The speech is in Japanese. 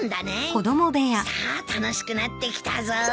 さあ楽しくなってきたぞ。